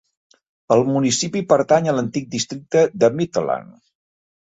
El municipi pertany a l'antic districte de Mittelland.